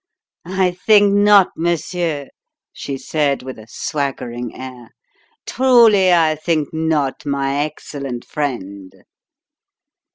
"I think not, monsieur," she said, with a swaggering air. "Truly, I think not, my excellent friend."